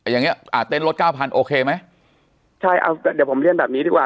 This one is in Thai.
อย่างนี้อ่ะเต้นรถ๙๐๐๐โอเคไหมเดี๋ยวผมเรียนแบบนี้ดีกว่า